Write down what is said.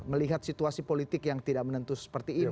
melihat situasi politik yang tidak menentu seperti ini